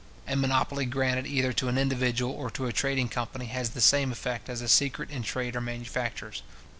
A monopoly granted either to an individual or to a trading company, has the same effect as a secret in trade or manufactures.